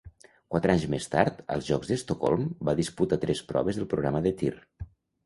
Quatre anys més tard, als Jocs d'Estocolm va disputar tres proves del programa de tir.